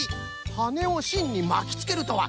はねをしんにまきつけるとは。